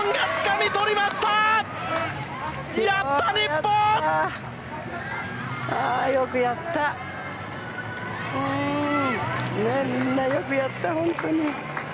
みんなよくやった本当に。